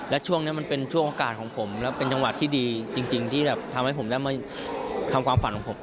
และช่วงนี้มันเป็นช่วงโอกาสของผมและเป็นจังหวะที่ดีจริงที่แบบทำให้ผมได้มาทำความฝันของผม